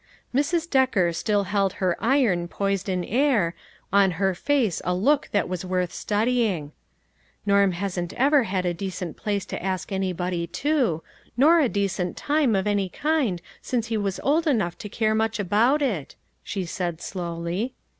Mrs. Decker still held her iron poised in air, on her face a look that was worth studying. "Norm hasn't ever had a decent place to ask anybody to, nor a decent time of any kind since he was old enough to care much about it," she said slowly.